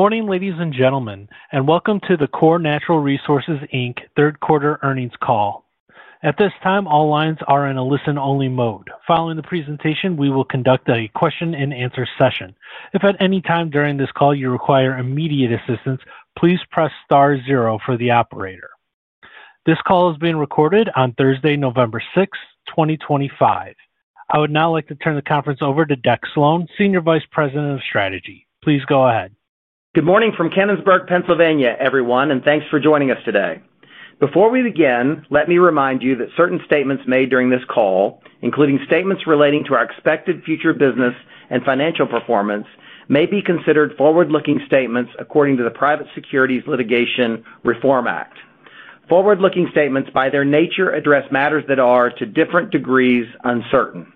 Good morning, ladies and gentlemen, and welcome to the Core Natural Resources third-quarter earnings call. At this time, all lines are in a listen-only mode. Following the presentation, we will conduct a question-and-answer session. If at any time during this call you require immediate assistance, please press star zero for the operator. This call is being recorded on Thursday, November 6, 2025. I would now like to turn the conference over to Dick Slone, Senior Vice President of Strategy. Please go ahead. Good morning from Canonsburg, Pennsylvania, everyone, and thanks for joining us today. Before we begin, let me remind you that certain statements made during this call, including statements relating to our expected future business and financial performance, may be considered forward-looking statements according to the Private Securities Litigation Reform Act. Forward-looking statements, by their nature, address matters that are to different degrees uncertain.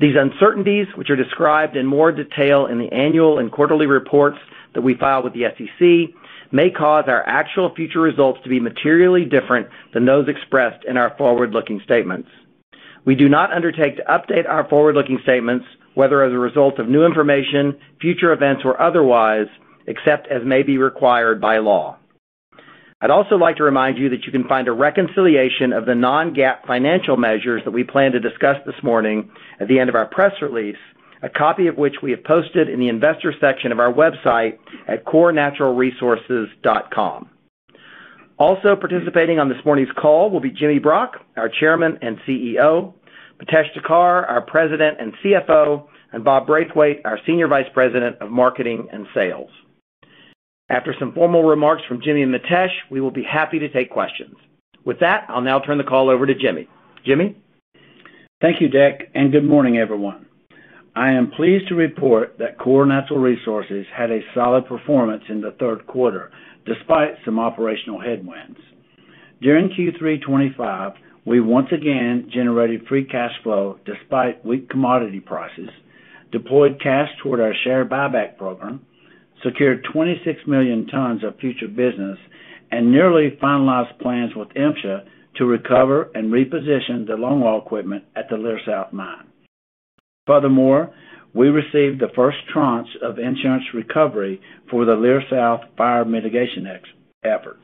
These uncertainties, which are described in more detail in the annual and quarterly reports that we file with the SEC, may cause our actual future results to be materially different than those expressed in our forward-looking statements. We do not undertake to update our forward-looking statements, whether as a result of new information, future events, or otherwise, except as may be required by law. I'd also like to remind you that you can find a reconciliation of the non-GAAP financial measures that we plan to discuss this morning at the end of our press release, a copy of which we have posted in the investor section of our website at corenaturalresources.com. Also participating on this morning's call will be Jimmy Brock, our Chairman and CEO, Mitesh Thakkar, our President and CFO, and Bob Braithwaite, our Senior Vice President of Marketing and Sales. After some formal remarks from Jimmy and Mitesh, we will be happy to take questions. With that, I'll now turn the call over to Jimmy. Jimmy? Thank you, Dick, and good morning, everyone. I am pleased to report that Core Natural Resources had a solid performance in the third quarter despite some operational headwinds. During Q3 2025, we once again generated free cash flow despite weak commodity prices, deployed cash toward our share buyback program, secured 26 million tons of future business, and nearly finalized plans with MSHA to recover and reposition the long-haul equipment at the Leer South mine. Furthermore, we received the first tranche of insurance recovery for the Leer South fire mitigation efforts.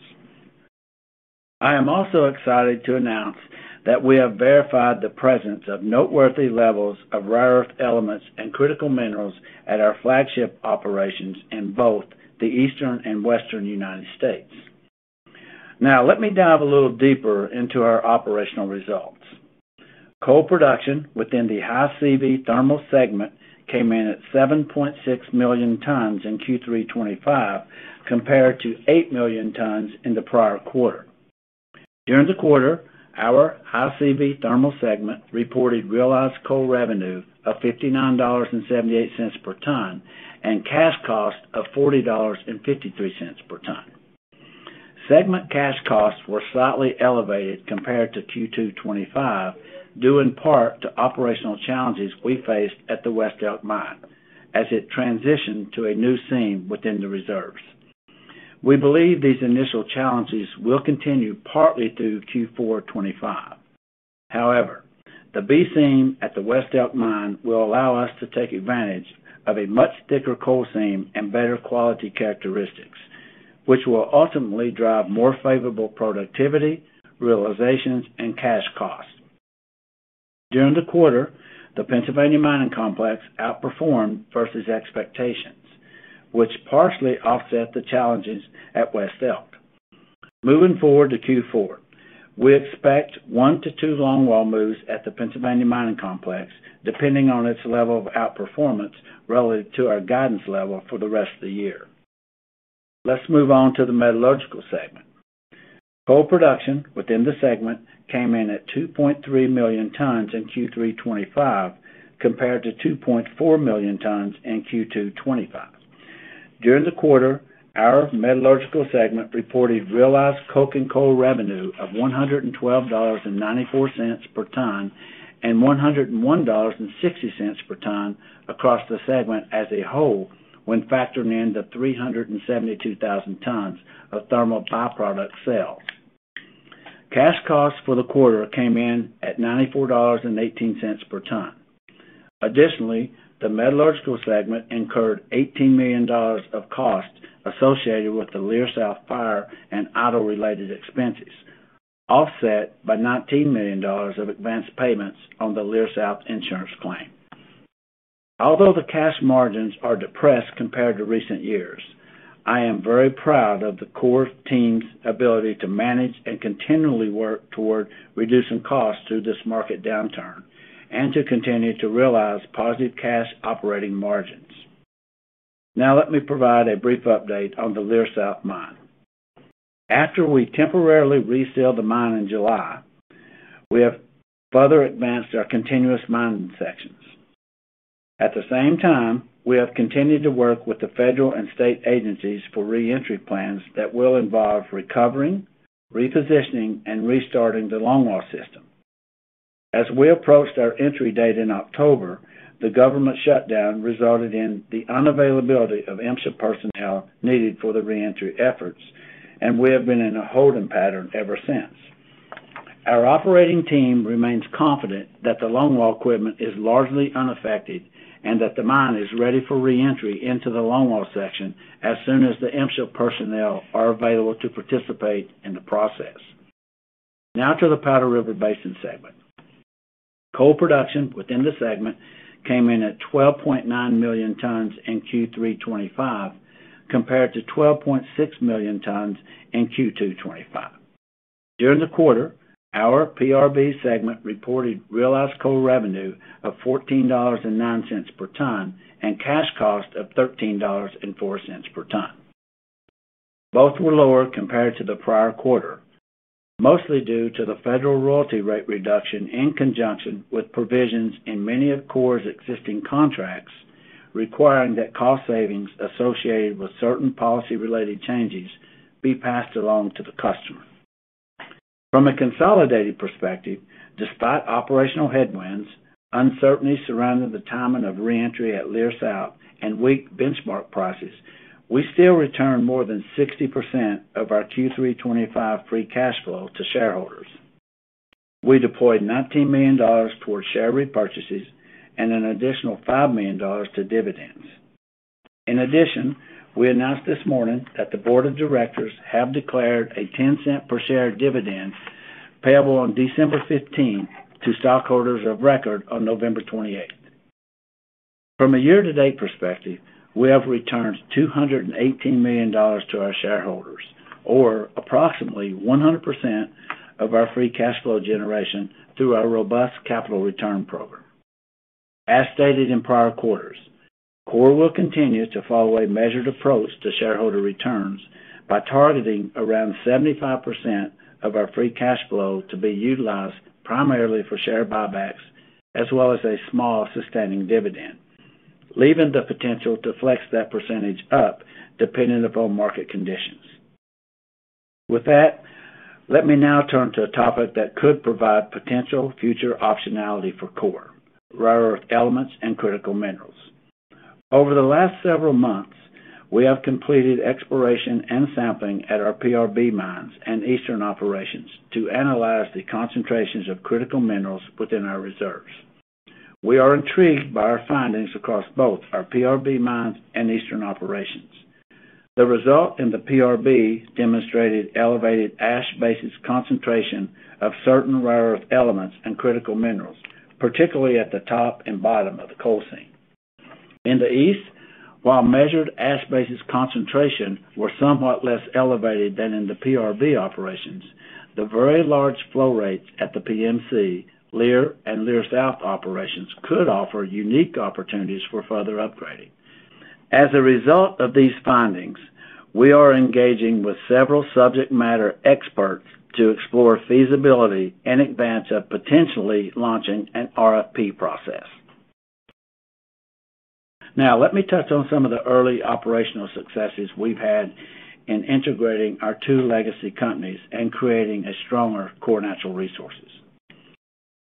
I am also excited to announce that we have verified the presence of noteworthy levels of rare earth elements and critical minerals at our flagship operations in both the Eastern and Western United States. Now, let me dive a little deeper into our operational results. Coal production within the high-CV thermal segment came in at 7.6 million tons in Q3 2025, compared to 8 million tons in the prior quarter. During the quarter, our high-CV thermal segment reported realized coal revenue of $59.78 per ton and cash cost of $40.53 per ton. Segment cash costs were slightly elevated compared to Q2 2025, due in part to operational challenges we faced at the West Elk Mine as it transitioned to a new seam within the reserves. We believe these initial challenges will continue partly through Q4 2025. However, the B seam at the West Elk Mine will allow us to take advantage of a much thicker coal seam and better quality characteristics, which will ultimately drive more favorable productivity, realizations, and cash costs. During the quarter, the Pennsylvania Mining Complex outperformed versus expectations, which partially offset the challenges at West Elk. Moving forward to Q4, we expect one to two long-haul moves at the Pennsylvania Mining Complex, depending on its level of outperformance relative to our guidance level for the rest of the year. Let's move on to the metallurgical segment. Coal production within the segment came in at 2.3 million tons in Q3 2025, compared to 2.4 million tons in Q2 2025. During the quarter, our metallurgical segment reported realized coke and coal revenue of $112.94 per ton and $101.60 per ton across the segment as a whole when factoring in the 372,000 tons of thermal byproduct sales. Cash costs for the quarter came in at $94.18 per ton. Additionally, the metallurgical segment incurred $18 million of costs associated with the Leer South fire and auto-related expenses, offset by $19 million of advance payments on the Leer South insurance claim. Although the cash margins are depressed compared to recent years, I am very proud of the Core team's ability to manage and continually work toward reducing costs through this market downturn and to continue to realize positive cash operating margins. Now, let me provide a brief update on the Leer South mine. After we temporarily rescaled the mine in July, we have further advanced our continuous mining sections. At the same time, we have continued to work with the federal and state agencies for re-entry plans that will involve recovering, repositioning, and restarting the longwall system. As we approached our entry date in October, the government shutdown resulted in the unavailability of MSHA personnel needed for the re-entry efforts, and we have been in a holding pattern ever since. Our operating team remains confident that the longwall equipment is largely unaffected and that the mine is ready for re-entry into the longwall section as soon as the MSHA personnel are available to participate in the process. Now to the Powder River Basin segment. Coal production within the segment came in at 12.9 million tons in Q3 2025, compared to 12.6 million tons in Q2 2025. During the quarter, our PRB segment reported realized coal revenue of $14.09 per ton and cash cost of $13.04 per ton. Both were lower compared to the prior quarter, mostly due to the federal royalty rate reduction in conjunction with provisions in many of Core's existing contracts requiring that cost savings associated with certain policy-related changes be passed along to the customer. From a consolidated perspective, despite operational headwinds, uncertainty surrounding the timing of re-entry at Leer South, and weak benchmark prices, we still returned more than 60% of our Q3 2025 free cash flow to shareholders. We deployed $19 million toward share repurchases and an additional $5 million to dividends. In addition, we announced this morning that the board of directors have declared a $0.10 per share dividend payable on December 15th to stockholders of record on November 28th. From a year-to-date perspective, we have returned $218 million to our shareholders, or approximately 100% of our free cash flow generation through our robust capital return program. As stated in prior quarters, Core will continue to follow a measured approach to shareholder returns by targeting around 75% of our free cash flow to be utilized primarily for share buybacks, as well as a small sustaining dividend, leaving the potential to flex that percentage up depending upon market conditions. With that, let me now turn to a topic that could provide potential future optionality for Core: rare earth elements and critical minerals. Over the last several months, we have completed exploration and sampling at our PRB mines and Eastern operations to analyze the concentrations of critical minerals within our reserves. We are intrigued by our findings across both our PRB mines and Eastern operations. The result in the PRB demonstrated elevated ash basis concentration of certain rare earth elements and critical minerals, particularly at the top and bottom of the coal seam. In the east, while measured ash basis concentrations were somewhat less elevated than in the PRB operations, the very large flow rates at the PAMC, Leer, and Leer South operations could offer unique opportunities for further upgrading. As a result of these findings, we are engaging with several subject matter experts to explore feasibility and advance a potentially launching an RFP process. Now, let me touch on some of the early operational successes we've had in integrating our two legacy companies and creating a stronger Core Natural Resources.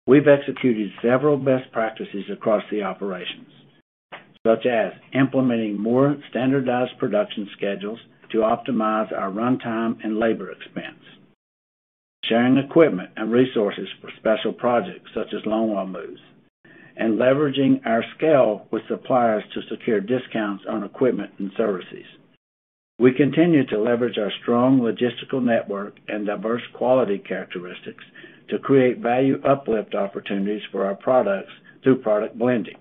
We've executed several best practices across the operations, such as implementing more standardized production schedules to optimize our runtime and labor expense. Sharing equipment and resources for special projects such as long-haul moves, and leveraging our scale with suppliers to secure discounts on equipment and services. We continue to leverage our strong logistical network and diverse quality characteristics to create value uplift opportunities for our products through product blending.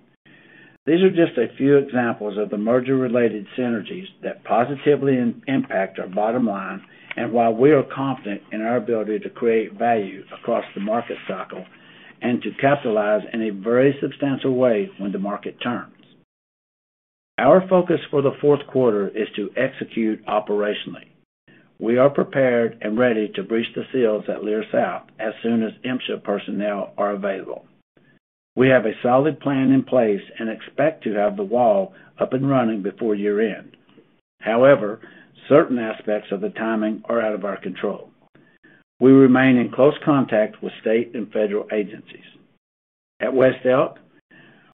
These are just a few examples of the merger-related synergies that positively impact our bottom line and why we are confident in our ability to create value across the market cycle and to capitalize in a very substantial way when the market turns. Our focus for the fourth quarter is to execute operationally. We are prepared and ready to breach the seals at Leer South as soon as MSHA personnel are available. We have a solid plan in place and expect to have the wall up and running before year-end. However, certain aspects of the timing are out of our control. We remain in close contact with state and federal agencies. At West Elk,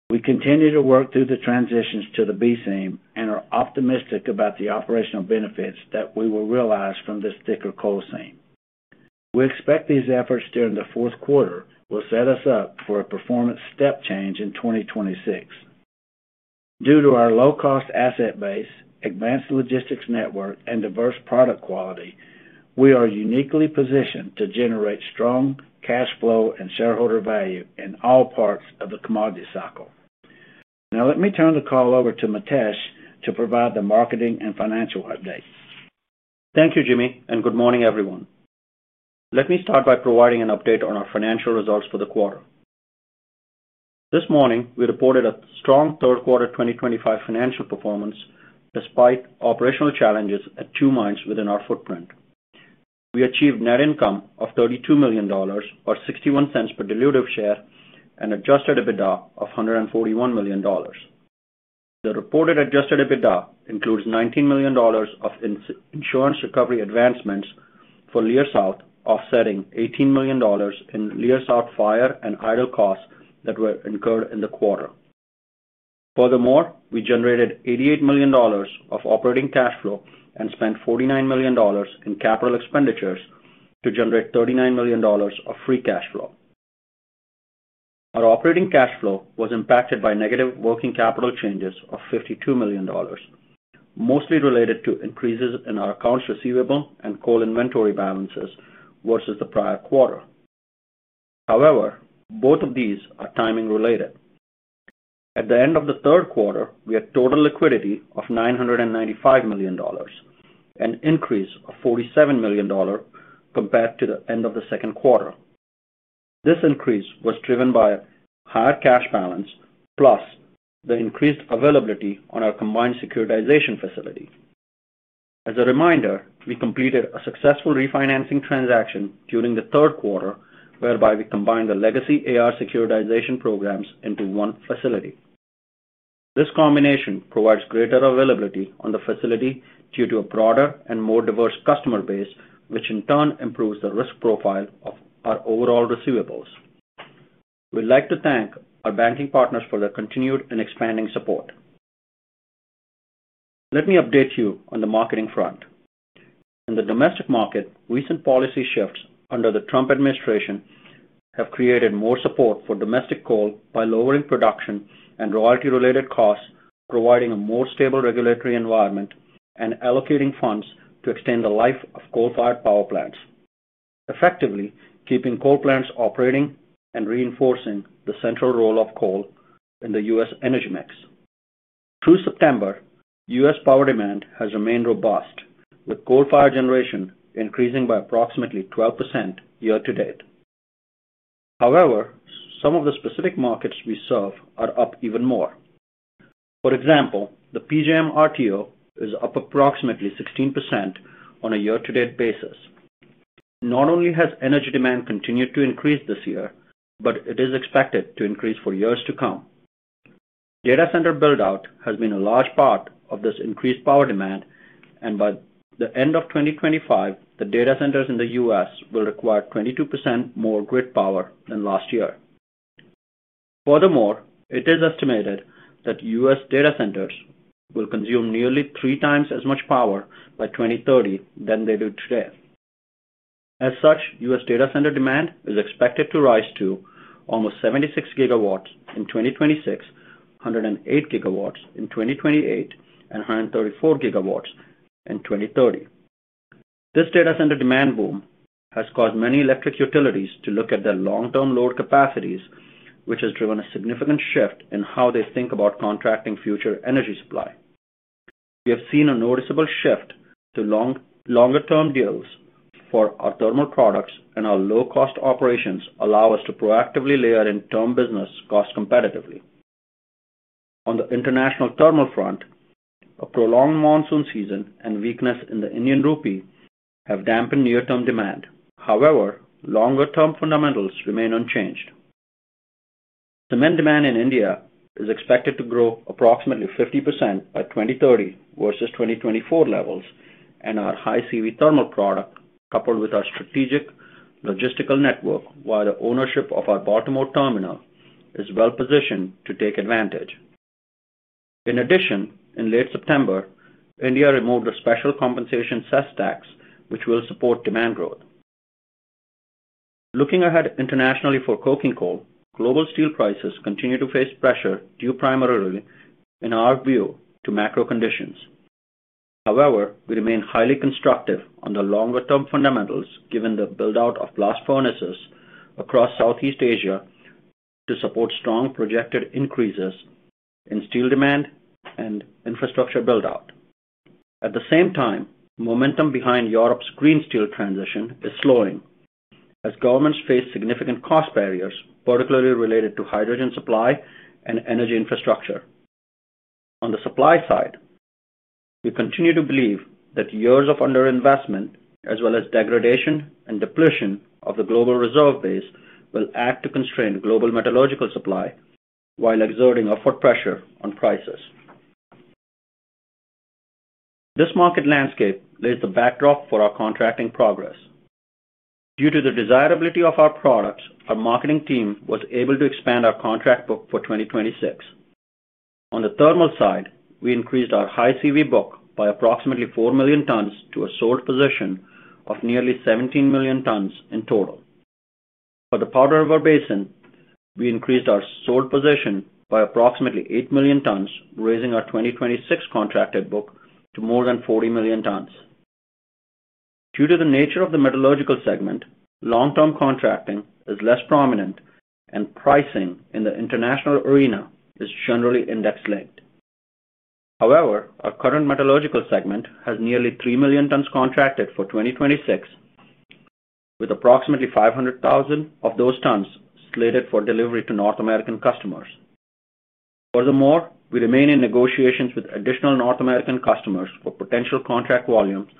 we continue to work through the transitions to the B seam and are optimistic about the operational benefits that we will realize from this thicker coal seam. We expect these efforts during the fourth quarter will set us up for a performance step change in 2026. Due to our low-cost asset base, advanced logistics network, and diverse product quality, we are uniquely positioned to generate strong cash flow and shareholder value in all parts of the commodity cycle. Now, let me turn the call over to Mitesh to provide the marketing and financial update. Thank you, Jimmy, and good morning, everyone. Let me start by providing an update on our financial results for the quarter. This morning, we reported a strong third quarter 2025 financial performance despite operational challenges at two mines within our footprint. We achieved net income of $32 million, or $0.61 per dilutive share, and adjusted EBITDA of $141 million. The reported adjusted EBITDA includes $19 million of insurance recovery advancements for Leer South, offsetting $18 million in Leer South fire and idle costs that were incurred in the quarter. Furthermore, we generated $88 million of operating cash flow and spent $49 million in capital expenditures to generate $39 million of free cash flow. Our operating cash flow was impacted by negative working capital changes of $52 million, mostly related to increases in our accounts receivable and coal inventory balances versus the prior quarter. However, both of these are timing-related. At the end of the third quarter, we had total liquidity of $995 million, an increase of $47 million compared to the end of the second quarter. This increase was driven by higher cash balance plus the increased availability on our combined securitization facility. As a reminder, we completed a successful refinancing transaction during the third quarter, whereby we combined the legacy AR securitization programs into one facility. This combination provides greater availability on the facility due to a broader and more diverse customer base, which in turn improves the risk profile of our overall receivables. We'd like to thank our banking partners for their continued and expanding support. Let me update you on the marketing front. In the domestic market, recent policy shifts under the Trump administration have created more support for domestic coal by lowering production and royalty-related costs, providing a more stable regulatory environment, and allocating funds to extend the life of coal-fired power plants, effectively keeping coal plants operating and reinforcing the central role of coal in the U.S. energy mix. Through September, U.S. power demand has remained robust, with coal-fired generation increasing by approximately 12% year-to-date. However, some of the specific markets we serve are up even more. For example, the PJM RTO is up approximately 16% on a year-to-date basis. Not only has energy demand continued to increase this year, but it is expected to increase for years to come. Data center buildout has been a large part of this increased power demand, and by the end of 2025, the data centers in the U.S. will require 22% more grid power than last year. Furthermore, it is estimated that U.S. data centers will consume nearly three times as much power by 2030 than they do today. As such, U.S. data center demand is expected to rise to almost 76 GW in 2026, 108 GW in 2028, and 134 GW in 2030. This data center demand boom has caused many electric utilities to look at their long-term load capacities, which has driven a significant shift in how they think about contracting future energy supply. We have seen a noticeable shift to longer-term deals for our thermal products, and our low-cost operations allow us to proactively layer in term business costs competitively. On the international thermal front, a prolonged monsoon season and weakness in the Indian rupee have dampened near-term demand. However, longer-term fundamentals remain unchanged. Cement demand in India is expected to grow approximately 50% by 2030 versus 2024 levels, and our high-CV thermal product coupled with our strategic logistical network, while the ownership of our Baltimore terminal, is well-positioned to take advantage. In addition, in late September, India removed a special compensation sales tax, which will support demand growth. Looking ahead internationally for coking coal, global steel prices continue to face pressure due primarily in our view to macro conditions. However, we remain highly constructive on the longer-term fundamentals given the buildout of glass furnaces across Southeast Asia to support strong projected increases in steel demand and infrastructure buildout. At the same time, momentum behind Europe's green steel transition is slowing as governments face significant cost barriers, particularly related to hydrogen supply and energy infrastructure. On the supply side, we continue to believe that years of underinvestment, as well as degradation and depletion of the global reserve base, will act to constrain global metallurgical supply while exerting upward pressure on prices. This market landscape lays the backdrop for our contracting progress. Due to the desirability of our products, our marketing team was able to expand our contract book for 2026. On the thermal side, we increased our high-CV book by approximately 4 million tons to a sold position of nearly 17 million tons in total. For the Powder River Basin, we increased our sold position by approximately 8 million tons, raising our 2026 contracted book to more than 40 million tons. Due to the nature of the metallurgical segment, long-term contracting is less prominent, and pricing in the international arena is generally index-linked. However, our current metallurgical segment has nearly 3 million tons contracted for 2026. With approximately 500,000 of those tons slated for delivery to North American customers. Furthermore, we remain in negotiations with additional North American customers for potential contract volumes,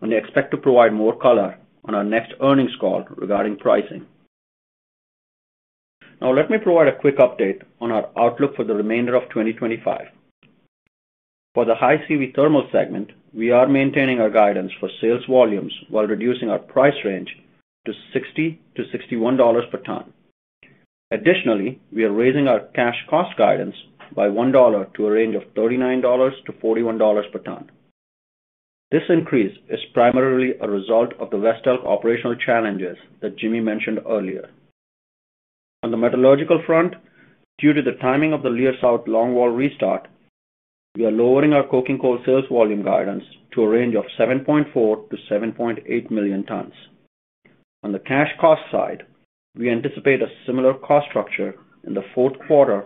and we expect to provide more color on our next earnings call regarding pricing. Now, let me provide a quick update on our outlook for the remainder of 2025. For the high-CV thermal segment, we are maintaining our guidance for sales volumes while reducing our price range to $60-$61 per ton. Additionally, we are raising our cash cost guidance by $1 to a range of $39-$41 per ton. This increase is primarily a result of the West Elk operational challenges that Jimmy mentioned earlier. On the metallurgical front, due to the timing of the Leer South longwall restart, we are lowering our coking coal sales volume guidance to a range of 7.4 million-7.8 million tons. On the cash cost side, we anticipate a similar cost structure in the fourth quarter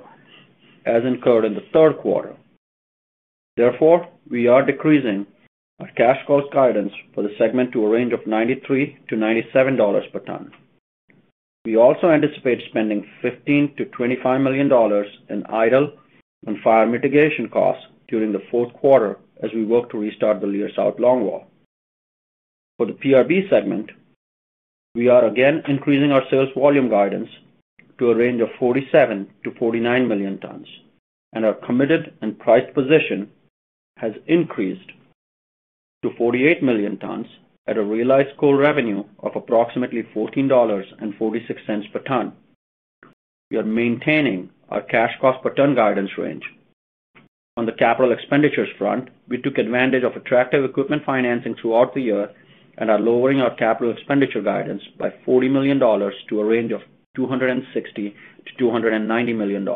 as incurred in the third quarter. Therefore, we are decreasing our cash cost guidance for the segment to a range of $93-$97 per ton. We also anticipate spending $15 million-$25 million in idle and fire mitigation costs during the fourth quarter as we work to restart the Leer South longwall. For the PRB segment, we are again increasing our sales volume guidance to a range of 47 million-49 million tons, and our committed and priced position has increased to 48 million tons at a realized coal revenue of approximately $14.46 per ton. We are maintaining our cash cost per ton guidance range. On the capital expenditures front, we took advantage of attractive equipment financing throughout the year and are lowering our capital expenditure guidance by $40 million to a range of $260 million-$290 million.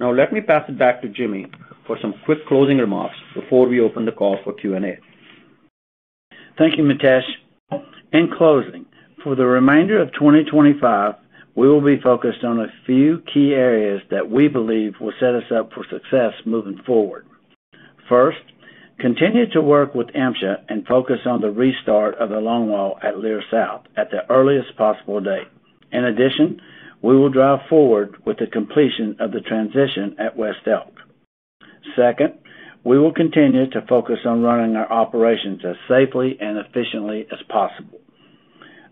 Now, let me pass it back to Jimmy for some quick closing remarks before we open the call for Q&A. Thank you, Mitesh. In closing, for the remainder of 2025, we will be focused on a few key areas that we believe will set us up for success moving forward. First, continue to work with MSHA and focus on the restart of the longwall at Leer South at the earliest possible date. In addition, we will drive forward with the completion of the transition at West Elk. Second, we will continue to focus on running our operations as safely and efficiently as possible.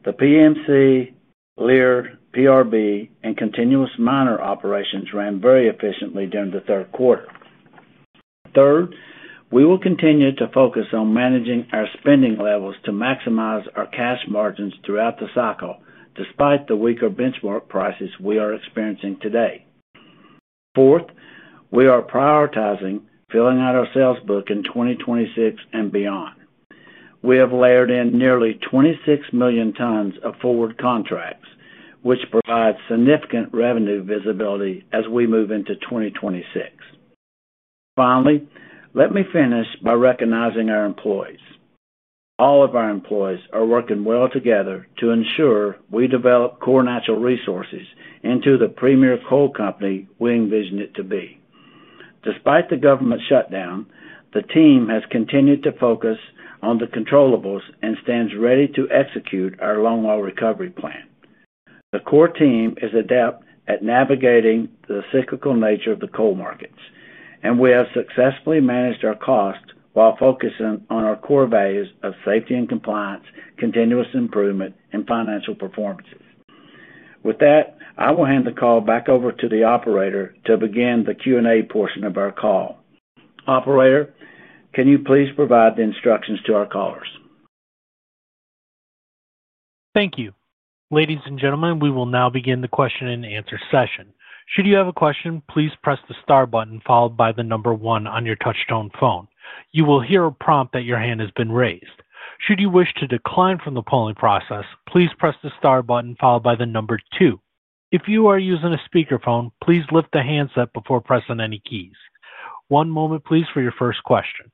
The PAMC, Leer, PRB, and continuous miner operations ran very efficiently during the third quarter. Third, we will continue to focus on managing our spending levels to maximize our cash margins throughout the cycle despite the weaker benchmark prices we are experiencing today. Fourth, we are prioritizing filling out our sales book in 2026 and beyond. We have layered in nearly 26 million tons of forward contracts, which provides significant revenue visibility as we move into 2026. Finally, let me finish by recognizing our employees. All of our employees are working well together to ensure we develop Core Natural Resources into the premier coal company we envision it to be. Despite the government shutdown, the team has continued to focus on the controllables and stands ready to execute our long-haul recovery plan. The Core team is adept at navigating the cyclical nature of the coal markets, and we have successfully managed our costs while focusing on our core values of safety and compliance, continuous improvement, and financial performances. With that, I will hand the call back over to the operator to begin the Q&A portion of our call. Operator, can you please provide the instructions to our callers? Thank you. Ladies and gentlemen, we will now begin the question and answer session. Should you have a question, please press the star button followed by the number one on your touchstone phone. You will hear a prompt that your hand has been raised. Should you wish to decline from the polling process, please press the star button followed by the number two. If you are using a speakerphone, please lift the handset before pressing any keys. One moment, please, for your first question.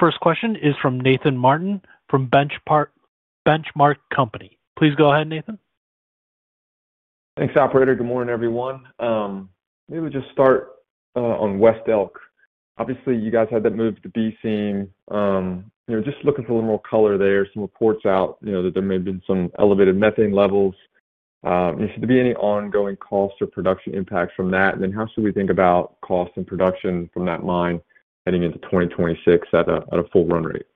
First question is from Nathan Martin from Benchmark Company. Please go ahead, Nathan. Thanks, Operator. Good morning, everyone. Maybe we'll just start. On West Elk. Obviously, you guys had that move to a new seam. Just looking for a little more color there, some reports out that there may have been some elevated methane levels. Should there be any ongoing cost or production impacts from that? And then how should we think about cost and production from that mine heading into 2026 at a full run rate?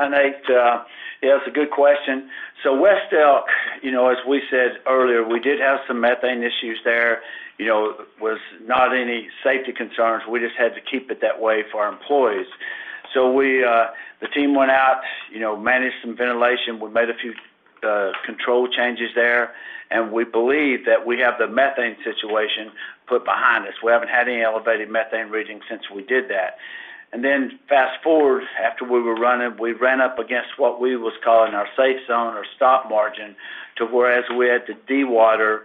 Hi, Nate. Yeah, that's a good question. West Elk, as we said earlier, we did have some methane issues there. It was not any safety concerns. We just had to keep it that way for our employees. The team went out, managed some ventilation. We made a few control changes there, and we believe that we have the methane situation put behind us. We haven't had any elevated methane readings since we did that. Fast forward, after we were running, we ran up against what we was calling our safe zone, our stop margin, to whereas we had to dewater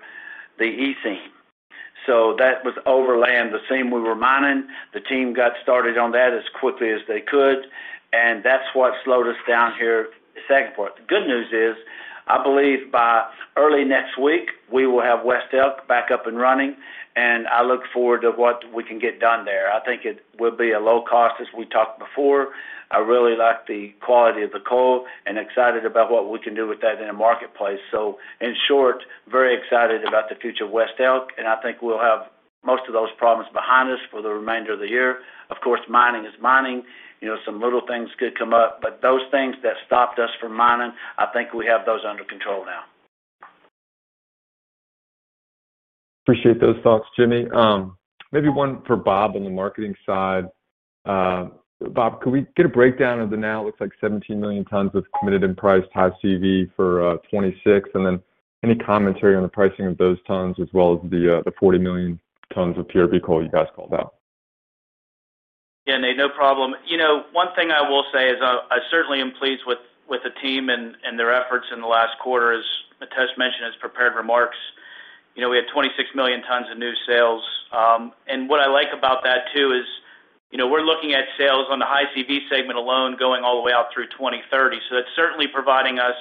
the E seam. That was overland the seam we were mining. The team got started on that as quickly as they could, and that's what slowed us down here the second part. The good news is, I believe by early next week, we will have West Elk back up and running, and I look forward to what we can get done there. I think it will be a low cost, as we talked before. I really like the quality of the coal and excited about what we can do with that in a marketplace. In short, very excited about the future of West Elk, and I think we'll have most of those problems behind us for the remainder of the year. Of course, mining is mining. Some little things could come up, but those things that stopped us from mining, I think we have those under control now. Appreciate those thoughts, Jimmy. Maybe one for Bob on the marketing side. Bob, could we get a breakdown of the now it looks like 17 million tons of committed and priced high CV for 2026, and then any commentary on the pricing of those tons as well as the 40 million tons of PRB coal you guys called out? Yeah, Nate. No problem. One thing I will say is I certainly am pleased with the team and their efforts in the last quarter, as Mitesh mentioned in his prepared remarks. We had 26 million tons of new sales. What I like about that too is we're looking at sales on the high CV segment alone going all the way out through 2030. That is certainly providing us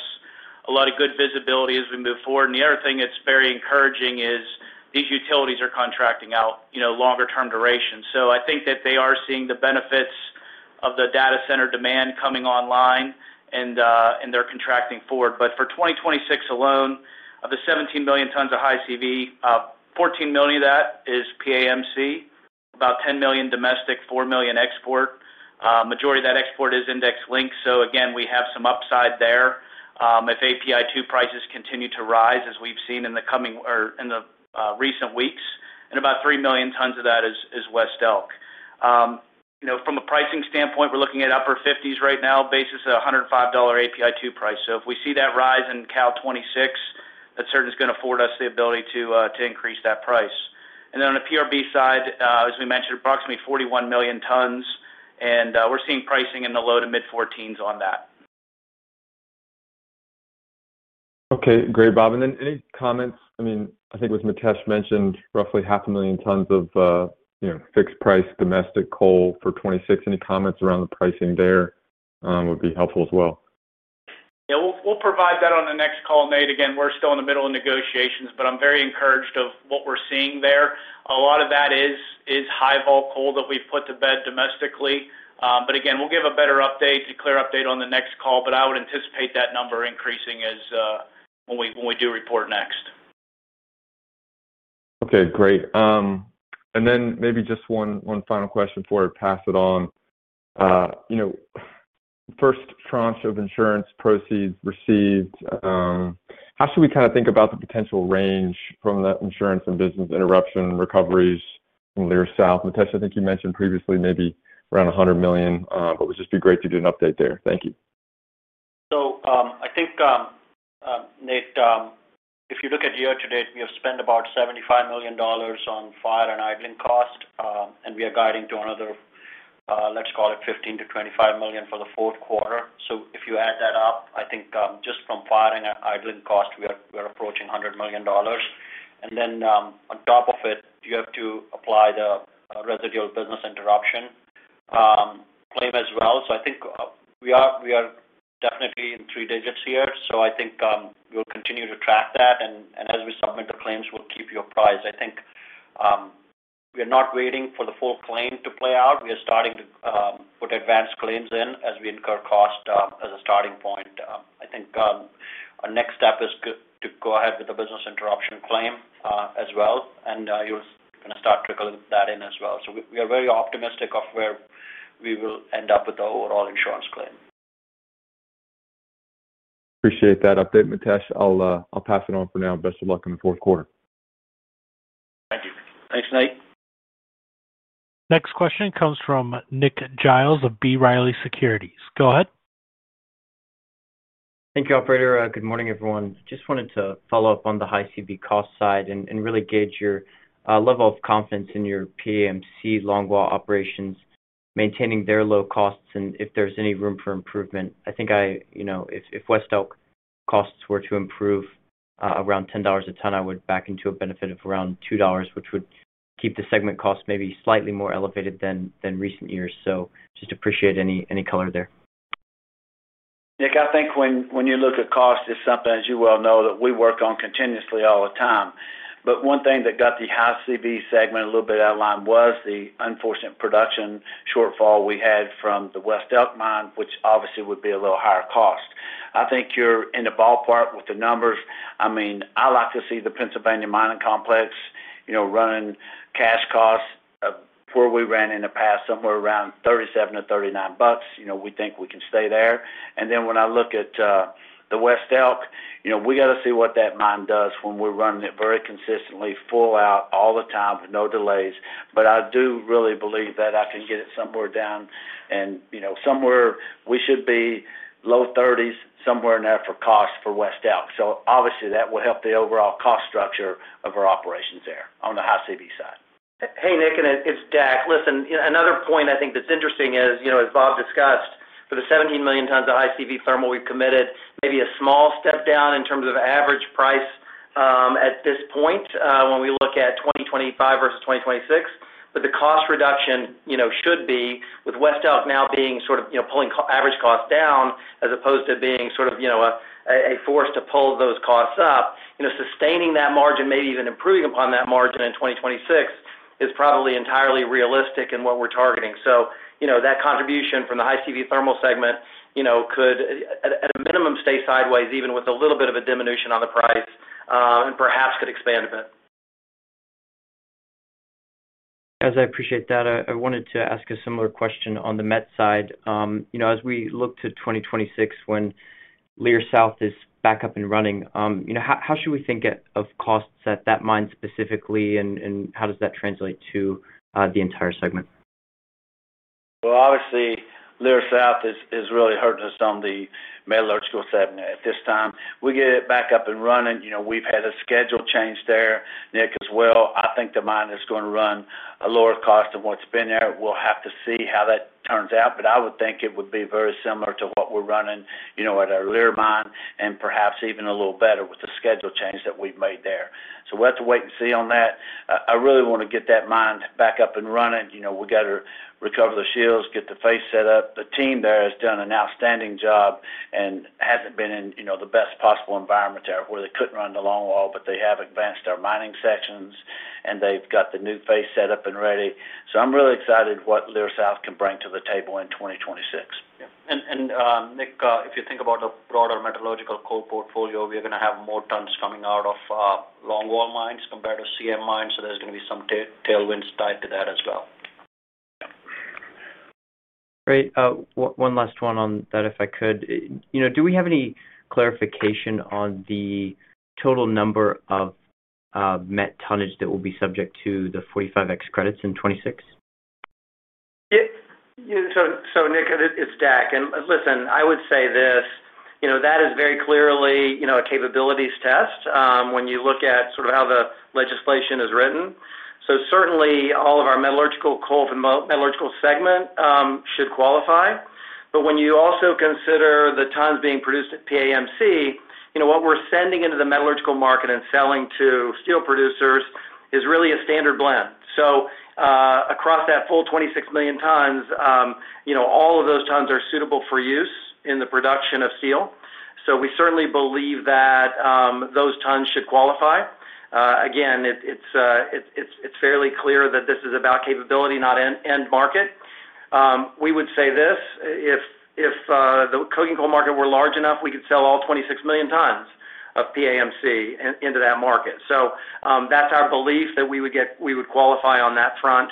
a lot of good visibility as we move forward. The other thing that's very encouraging is these utilities are contracting out longer-term duration. I think that they are seeing the benefits of the data center demand coming online, and they're contracting forward. For 2026 alone, of the 17 million tons of high CV, 14 million of that is PAMC, about 10 million domestic, 4 million export. The majority of that export is index-linked. Again, we have some upside there if API-2 prices continue to rise as we've seen in the recent weeks. And about 3 million tons of that is West Elk. From a pricing standpoint, we're looking at upper 50s right now, basis of $105 API-2 price. If we see that rise in Cal 2026, that certainly is going to afford us the ability to increase that price. On the PRB side, as we mentioned, approximately 41 million tons, and we're seeing pricing in the low to mid-14s on that. Okay. Great, Bob. And then any comments? I mean, I think with Mitesh mentioned roughly 500,000 tons of fixed-price domestic coal for 2026. Any comments around the pricing there would be helpful as well. Yeah. We'll provide that on the next call, Nate. Again, we're still in the middle of negotiations, but I'm very encouraged of what we're seeing there. A lot of that is high-vol coal that we've put to bed domestically. Again, we'll give a better update, a clear update on the next call. I would anticipate that number increasing when we do report next. Okay. Great. Maybe just one final question before I pass it on. First tranche of insurance proceeds received. How should we kind of think about the potential range from that insurance and business interruption recoveries in Leer South? Mitesh, I think you mentioned previously maybe around $100 million, but it would just be great to get an update there. Thank you. I think, Nate, if you look at year to date, we have spent about $75 million on fire and idling cost, and we are guiding to another, let's call it, $15 million-$25 million for the fourth quarter. If you add that up, I think just from fire and idling cost, we are approaching $100 million. On top of it, you have to apply the residual business interruption claim as well. I think we are definitely in three digits here. I think we'll continue to track that, and as we submit the claims, we'll keep you apprised. We are not waiting for the full claim to play out. We are starting to put advanced claims in as we incur cost as a starting point. I think. Our next step is to go ahead with the business interruption claim as well, and you're going to start trickling that in as well. We are very optimistic of where we will end up with the overall insurance claim. Appreciate that update, Mitesh. I'll pass it on for now. Best of luck in the fourth quarter. Thank you. Thanks, Nate. Next question comes from Nick Giles of B. Riley Securities. Go ahead. Thank you, Operator. Good morning, everyone. Just wanted to follow up on the high CV cost side and really gauge your level of confidence in your PAMC long-haul operations maintaining their low costs and if there's any room for improvement. I think if West Elk costs were to improve around $10 a ton, I would back into a benefit of around $2, which would keep the segment cost maybe slightly more elevated than recent years. So just appreciate any color there. Nick, I think when you look at cost, it's something, as you well know, that we work on continuously all the time. One thing that got the high CV segment a little bit out of line was the unfortunate production shortfall we had from the West Elk mine, which obviously would be a little higher cost. I think you're in the ballpark with the numbers. I mean, I like to see the Pennsylvania Mining Complex running cash costs where we ran in the past, somewhere around $37 or $39. We think we can stay there. When I look at the West Elk, we got to see what that mine does when we're running it very consistently, full out all the time with no delays. But I do really believe that I can get it somewhere down and somewhere we should be low 30s, somewhere in there for cost for West Elk. Obviously, that will help the overall cost structure of our operations there on the high CV side. Hey, Nick, and it's Dick. Listen, another point I think that's interesting is, as Bob discussed, for the 17 million tons of high CV thermal we've committed, maybe a small step down in terms of average price at this point when we look at 2025 versus 2026. The cost reduction should be with West Elk now being sort of pulling average costs down as opposed to being sort of a force to pull those costs up. Sustaining that margin, maybe even improving upon that margin in 2026, is probably entirely realistic in what we're targeting. That contribution from the high CV thermal segment could, at a minimum, stay sideways even with a little bit of a diminution on the price and perhaps could expand a bit. Guys, I appreciate that. I wanted to ask a similar question on the met side. As we look to 2026 when Leer South is back up and running, how should we think of costs at that mine specifically, and how does that translate to the entire segment? Obviously, Leer South is really hurting us on the metallurgical segment at this time. We get it back up and running. We've had a schedule change there, Nick as well. I think the mine is going to run at a lower cost than what's been there. We'll have to see how that turns out, but I would think it would be very similar to what we're running at our Leer mine and perhaps even a little better with the schedule change that we've made there. We have to wait and see on that. I really want to get that mine back up and running. We got to recover the shields, get the face set up. The team there has done an outstanding job and has not been in the best possible environment there where they could not run the longwall, but they have advanced our mining sections, and they have got the new face set up and ready. I am really excited what Leer South can bring to the table in 2026. Yeah. Nick, if you think about the broader metallurgical coal portfolio, we are going to have more tons coming out of longwall mines compared to CM mines. There is going to be some tailwinds tied to that as well. Great. One last one on that, if I could. Do we have any clarification on the total number of met tonnage that will be subject to the 45X credits in 2026? Yeah. Nick, it's Dick. I would say this. That is very clearly a capabilities test when you look at sort of how the legislation is written. Certainly, all of our metallurgical coal and metallurgical segment should qualify. When you also consider the tons being produced at PAMC, what we're sending into the metallurgical market and selling to steel producers is really a standard blend. Across that full 26 million tons, all of those tons are suitable for use in the production of steel. We certainly believe that those tons should qualify. Again, it's fairly clear that this is about capability, not end market. We would say this: if the coking coal market were large enough, we could sell all 26 million tons of PAMC into that market. That's our belief that we would qualify on that front.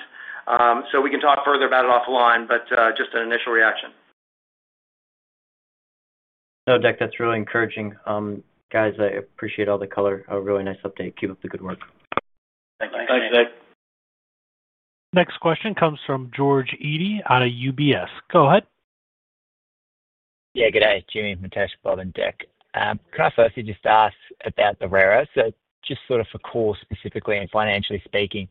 We can talk further about it offline, but just an initial reaction. No, Dick, that's really encouraging. Guys, I appreciate all the color. A really nice update. Keep up the good work. Thanks, Nick. Next question comes from George Eadie out of UBS. Go ahead. Yeah. Good day. Jimmy, Mitesh, Bob, and Dick. Can I firstly just ask about the rare earth? So just sort of for coal specifically and financially speaking,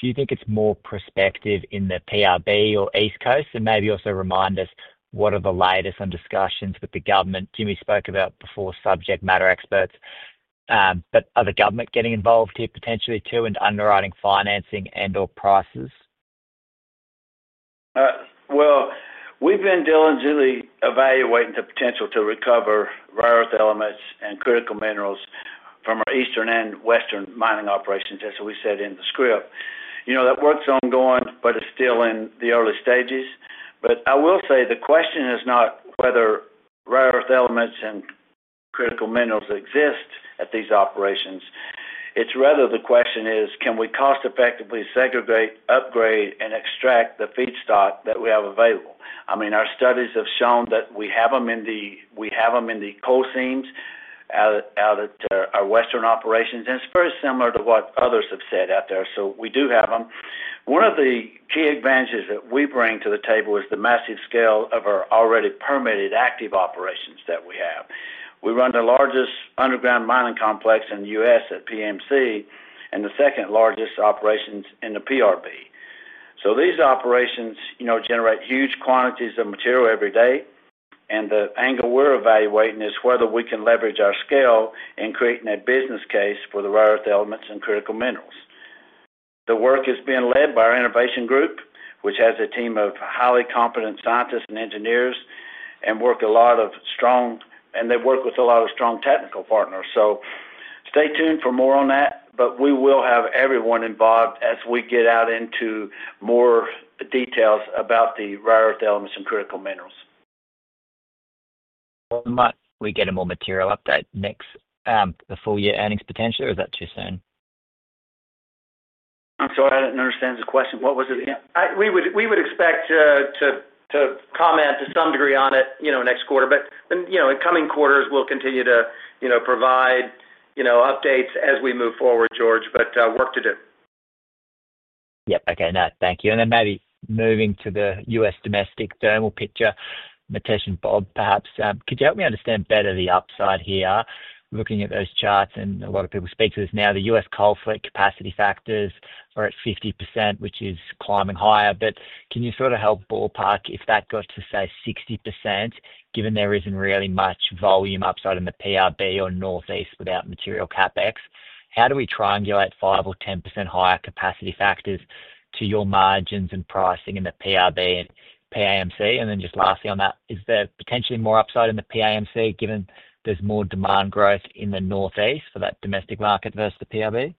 do you think it's more prospective in the PRB or East Coast? And maybe also remind us, what are the latest on discussions with the government? Jimmy spoke about before subject matter experts. But are the government getting involved here potentially too and underwriting financing and/or prices? We have been diligently evaluating the potential to recover rare earth elements and critical minerals from our eastern and western mining operations, as we said in the script. That work is ongoing, but it is still in the early stages. I will say the question is not whether rare earth elements and critical minerals exist at these operations. Rather, the question is, can we cost-effectively segregate, upgrade, and extract the feedstock that we have available? I mean, our studies have shown that we have them in the coal seams out at our western operations. It is very similar to what others have said out there. We do have them. One of the key advantages that we bring to the table is the massive scale of our already permitted active operations that we have. We run the largest underground mining complex in the U.S. at PAMC and the second largest operations in the PRB. These operations generate huge quantities of material every day. The angle we're evaluating is whether we can leverage our scale in creating a business case for the rare earth elements and critical minerals. The work is being led by our innovation group, which has a team of highly competent scientists and engineers and they work with a lot of strong technical partners. Stay tuned for more on that, but we will have everyone involved as we get out into more details about the rare earth elements and critical minerals. Might we get a more material update, Dick, for the full year earnings potentially, or is that too soon? I'm sorry, I didn't understand the question. What was it again? We would expect to comment to some degree on it next quarter. In coming quarters, we'll continue to provide updates as we move forward, George, but work to do. Yep. Okay. No, thank you. Maybe moving to the U.S. domestic thermal picture, Mitesh and Bob, perhaps, could you help me understand better the upside here? Looking at those charts, and a lot of people speak to this now, the U.S. coal fleet capacity factors are at 50%, which is climbing higher. Can you sort of help ballpark if that got to, say, 60%, given there is not really much volume upside in the PRB or northeast without material CapEx? How do we triangulate 5% or 10% higher capacity factors to your margins and pricing in the PRB and PAMC? Just lastly on that, is there potentially more upside in the PAMC given there is more demand growth in the northeast for that domestic market versus the PRB?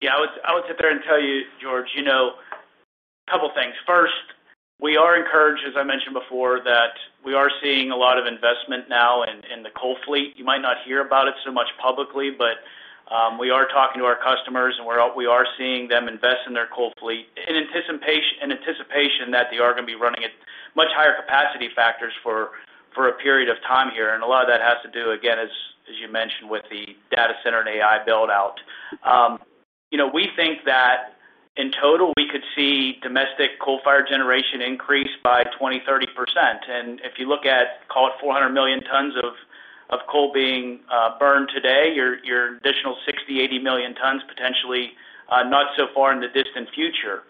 Yeah. I would sit there and tell you, George, a couple of things. First, we are encouraged, as I mentioned before, that we are seeing a lot of investment now in the coal fleet. You might not hear about it so much publicly, but we are talking to our customers, and we are seeing them invest in their coal fleet in anticipation that they are going to be running at much higher capacity factors for a period of time here. A lot of that has to do, again, as you mentioned, with the data center and AI buildout. We think that, in total, we could see domestic coal fire generation increase by 20%-30%. If you look at, call it, 400 million tons of coal being burned today, your additional 60 million-80 million tons potentially not so far in the distant future.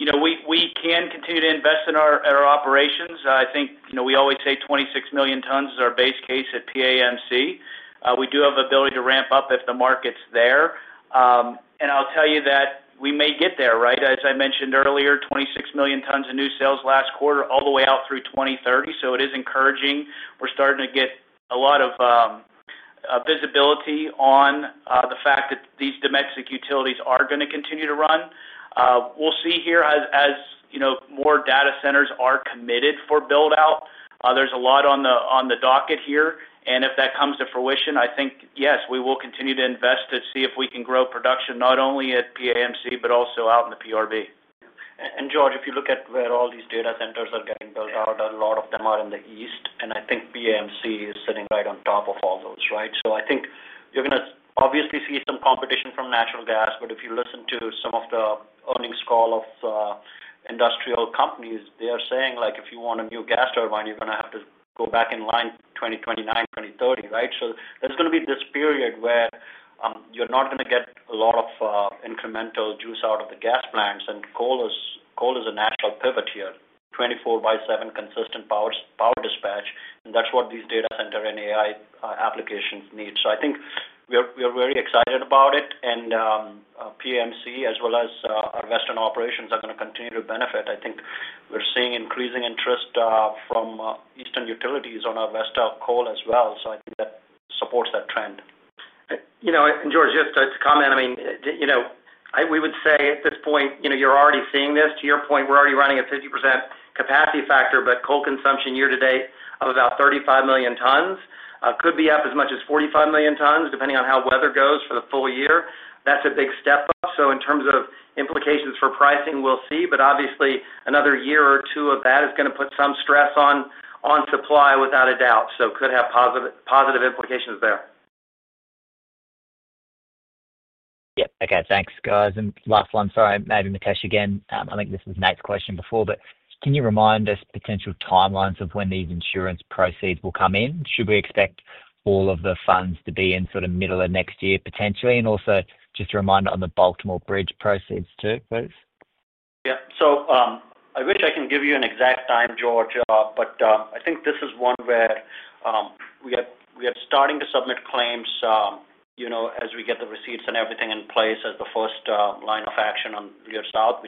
We can continue to invest in our operations. I think we always say 26 million tons is our base case at PAMC. We do have the ability to ramp up if the market's there. I'll tell you that we may get there, right? As I mentioned earlier, 26 million tons of new sales last quarter all the way out through 2030. It is encouraging. We're starting to get a lot of visibility on the fact that these domestic utilities are going to continue to run. We'll see here as more data centers are committed for buildout. There's a lot on the docket here. If that comes to fruition, I think, yes, we will continue to invest to see if we can grow production not only at PAMC but also out in the PRB. George, if you look at where all these data centers are getting built out, a lot of them are in the east. I think PAMC is sitting right on top of all those, right? I think you're going to obviously see some competition from natural gas. If you listen to some of the earnings call of industrial companies, they are saying if you want a new gas turbine, you're going to have to go back in line 2029, 2030, right? There is going to be this period where you're not going to get a lot of incremental juice out of the gas plants. Coal is a natural pivot here, 24 by 7 consistent power dispatch. That is what these data center and AI applications need. I think we are very excited about it. PAMC, as well as our western operations, are going to continue to benefit. I think we're seeing increasing interest from eastern utilities on our west coal as well. I think that supports that trend. And George, just to comment, I mean, we would say at this point, you're already seeing this. To your point, we're already running a 50% capacity factor, but coal consumption year to date of about 35 million tons could be up as much as 45 million tons depending on how weather goes for the full year. That's a big step up. In terms of implications for pricing, we'll see. Obviously, another year or two of that is going to put some stress on supply without a doubt. It could have positive implications there. Yeah. Okay. Thanks, guys. Last one, sorry, maybe Mitesh again. I think this was an eighth question before, but can you remind us potential timelines of when these insurance proceeds will come in? Should we expect all of the funds to be in sort of middle of next year potentially? Also just a reminder on the Baltimore Bridge proceeds too, please. Yeah. I wish I can give you an exact time, George, but I think this is one where we are starting to submit claims. As we get the receipts and everything in place as the first line of action on Leer South,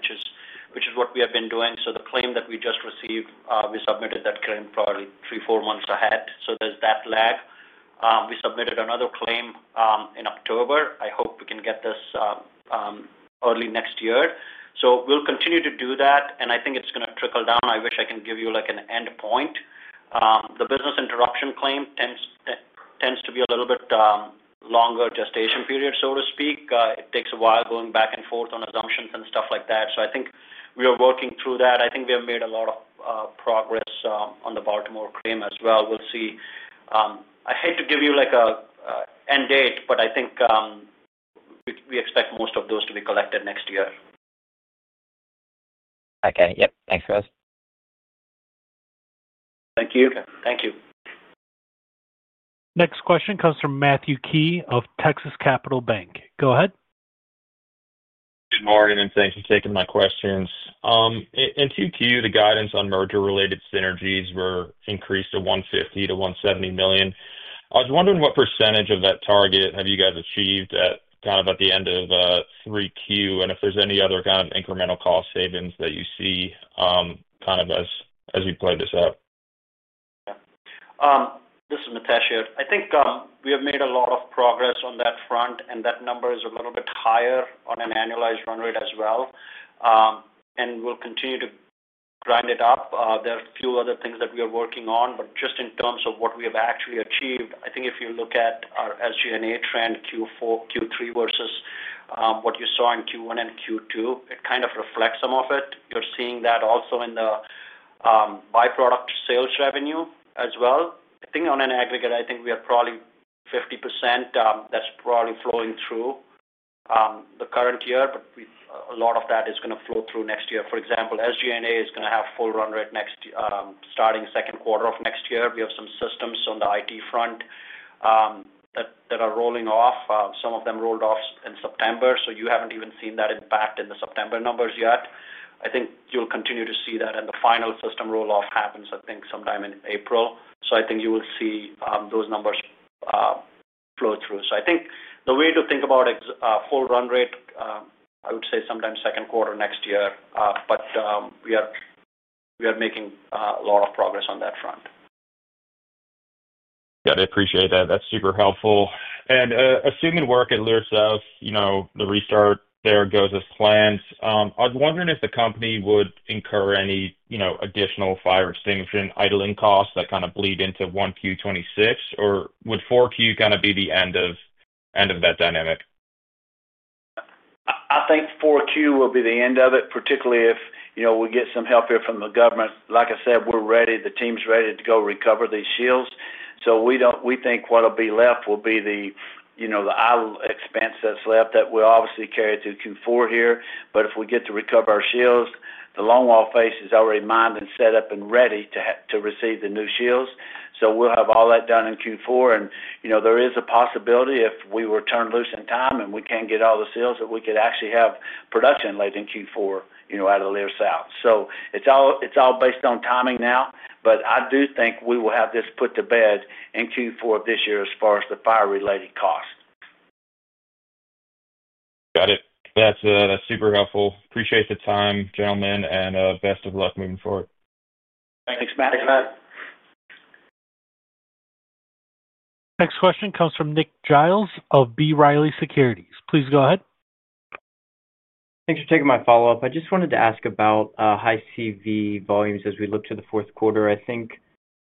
which is what we have been doing. The claim that we just received, we submitted that claim probably three, four months ahead. There is that lag. We submitted another claim in October. I hope we can get this early next year. We will continue to do that. I think it is going to trickle down. I wish I can give you an end point. The business interruption claim tends to be a little bit longer gestation period, so to speak. It takes a while going back and forth on assumptions and stuff like that. I think we are working through that. I think we have made a lot of progress on the Baltimore claim as well. We'll see. I hate to give you an end date, but I think we expect most of those to be collected next year. Okay. Yep. Thanks, guys. Thank you. Thank you. Next question comes from Matthew Key of Texas Capital Bank. Go ahead. Good morning. Thanks for taking my questions. In 2Q, the guidance on merger-related synergies were increased to $150 million-$170 million. I was wondering what percentage of that target have you guys achieved kind of at the end of 3Q? And if there's any other kind of incremental cost savings that you see. Kind of as we play this out. Okay. This is Mitesh. I think we have made a lot of progress on that front, and that number is a little bit higher on an annualized run rate as well. We'll continue to grind it up. There are a few other things that we are working on, but just in terms of what we have actually achieved, I think if you look at our SG&A trend, Q3 versus what you saw in Q1 and Q2, it kind of reflects some of it. You're seeing that also in the byproduct sales revenue as well. I think on an aggregate, I think we are probably 50%. That's probably flowing through the current year, but a lot of that is going to flow through next year. For example, SG&A is going to have full run rate starting second quarter of next year. We have some systems on the IT front. That are rolling off. Some of them rolled off in September. You have not even seen that impact in the September numbers yet. I think you will continue to see that. The final system rolloff happens, I think, sometime in April. I think you will see those numbers flow through. I think the way to think about full run rate, I would say sometime second quarter next year. We are making a lot of progress on that front. Yeah. I appreciate that. That's super helpful. Assuming work at Leer South, the restart there goes as planned, I was wondering if the company would incur any additional fire extinction idling costs that kind of bleed into 1Q 2026, or would 4Q kind of be the end of that dynamic? I think Q4 will be the end of it, particularly if we get some help here from the government. Like I said, we're ready. The team's ready to go recover these shields. We think what'll be left will be the idle expense that's left that we'll obviously carry through Q4 here. If we get to recover our shields, the longwall face is already mined and set up and ready to receive the new shields. We'll have all that done in Q4. There is a possibility if we were turned loose in time and we can't get all the seals, that we could actually have production late in Q4 out of the Leer South. It's all based on timing now, but I do think we will have this put to bed in Q4 of this year as far as the fire-related cost. Got it. That's super helpful. Appreciate the time, gentlemen, and best of luck moving forward. Thanks, Matt. Next question comes from Nick Giles of B. Riley Securities. Please go ahead. Thanks for taking my follow-up. I just wanted to ask about high CV volumes as we look to the fourth quarter. I think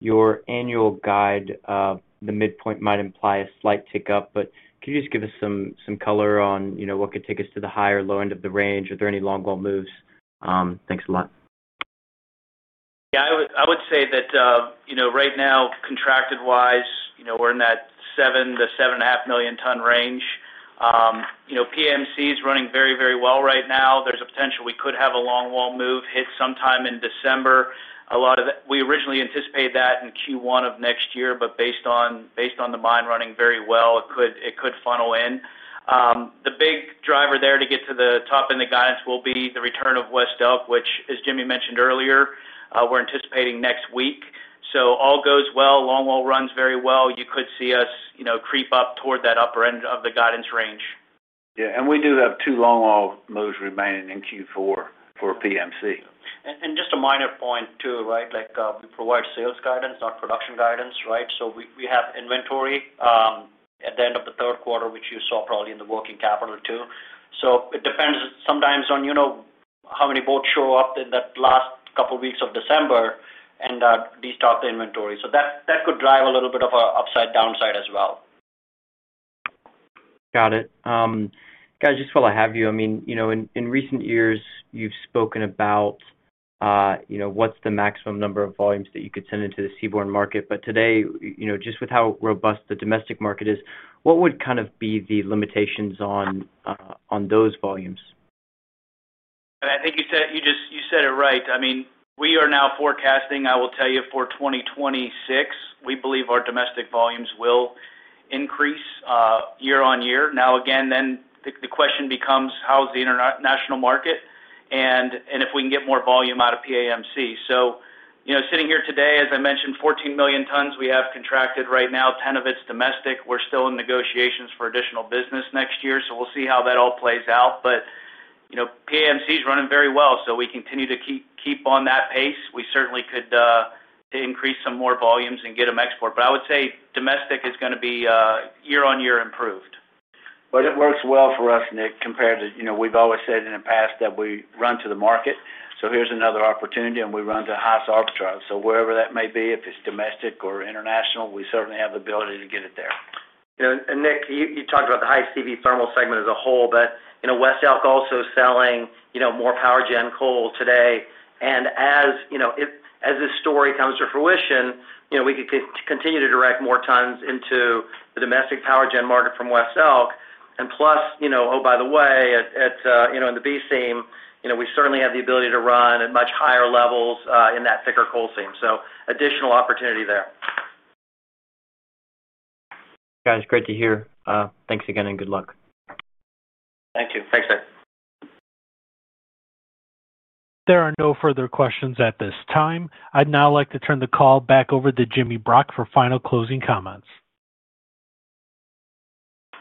your annual guide, the midpoint, might imply a slight tick up, but could you just give us some color on what could take us to the high or low end of the range? Are there any longwall moves? Thanks a lot. Yeah. I would say that. Right now, contracted-wise, we're in that 7 million-7.5 million ton range. PAMC is running very, very well right now. There's a potential we could have a Longwall move hit sometime in December. We originally anticipated that in Q1 of next year, but based on the mine running very well, it could funnel in. The big driver there to get to the top end of guidance will be the return of West Elk, which, as Jimmy mentioned earlier, we're anticipating next week. If all goes well, Longwall runs very well, you could see us creep up toward that upper end of the guidance range. Yeah. We do have two longwall moves remaining in Q4 for PAMC. Just a minor point too, right? We provide sales guidance, not production guidance, right? We have inventory at the end of the third quarter, which you saw probably in the working capital too. It depends sometimes on how many boats show up in that last couple of weeks of December and restock the inventory. That could drive a little bit of an upside downside as well. Got it. Guys, just while I have you, I mean, in recent years, you've spoken about what's the maximum number of volumes that you could send into the seaborne market. Today, just with how robust the domestic market is, what would kind of be the limitations on those volumes? I think you said it right. I mean, we are now forecasting, I will tell you, for 2026, we believe our domestic volumes will increase year on year. Now, again, the question becomes, how's the international market? And if we can get more volume out of PAMC. Sitting here today, as I mentioned, 14 million tons we have contracted right now, 10 of it's domestic. We're still in negotiations for additional business next year. We will see how that all plays out. PAMC is running very well. We continue to keep on that pace. We certainly could increase some more volumes and get them export. I would say domestic is going to be year on year improved. It works well for us, Nick, compared to we've always said in the past that we run to the market. Here's another opportunity, and we run to gas arbitrage. Wherever that may be, if it's domestic or international, we certainly have the ability to get it there. Nick, you talked about the high CV thermal segment as a whole, but West Elk also selling more power gen coal today. As this story comes to fruition, we could continue to direct more tons into the domestic power gen market from West Elk. Plus, oh, by the way, in the B seam, we certainly have the ability to run at much higher levels in that thicker coal seam. So additional opportunity there. Guys, great to hear. Thanks again and good luck. Thank you. Thanks, Nick. There are no further questions at this time. I'd now like to turn the call back over to Jimmy Brock for final closing comments.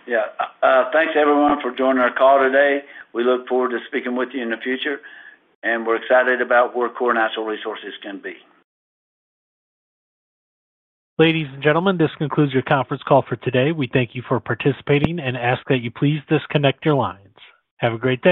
Yeah. Thanks, everyone, for joining our call today. We look forward to speaking with you in the future. We are excited about where Core Natural Resources can be. Ladies and gentlemen, this concludes your conference call for today. We thank you for participating and ask that you please disconnect your lines. Have a great day.